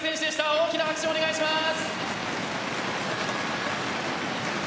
大きな拍手をお願いします。